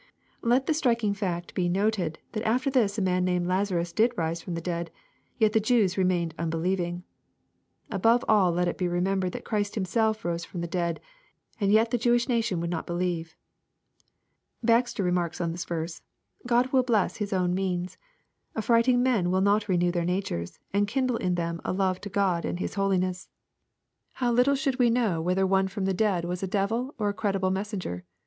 ] Let the striking fact be noted that after this a man named *' Lazarus" did rise from the dead, yet the JeAvs remained unbelieving 1 Above all let it be remembered that Christ Himself rose from the dead, and yet the Jewish nation would not believe ! Baxter remar/cs on this verse, —" Q od will bless His own means. Affrighling men will not renew their natures, and kindle in them a love to God and hoUness. How Uttle should 220 EXPOSITORY THOUGHTS. we know whether one from the dead was a devil or a jri^dible messenger